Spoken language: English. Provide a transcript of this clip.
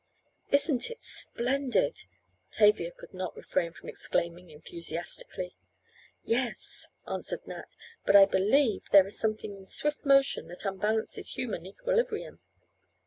"Isn't it splendid!" Tavia could not refrain from exclaiming enthusiastically. "Yes," answered Nat, "but I believe there is something in swift motion that unbalances human equilibrium.